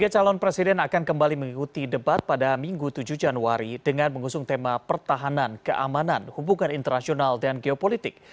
tiga calon presiden akan kembali mengikuti debat pada minggu tujuh januari dengan mengusung tema pertahanan keamanan hubungan internasional dan geopolitik